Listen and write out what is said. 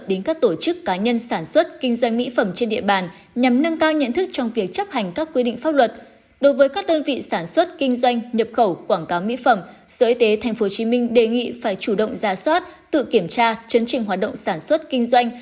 đối với các đơn vị sản xuất kinh doanh nhập khẩu quảng cáo mỹ phẩm sở y tế tp hcm đề nghị phải chủ động ra soát tự kiểm tra chấn trình hoạt động sản xuất kinh doanh